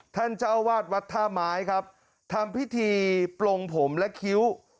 ท่านเจ้าวาดวัดท่าไม้ครับทำพิธีปลงผมและคิ้ว